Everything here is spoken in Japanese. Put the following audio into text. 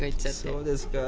そうですか。